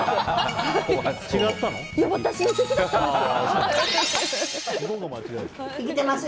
私の席だったんですよ。